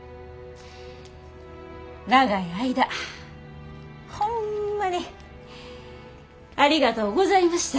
長い間ホンマにありがとうございました。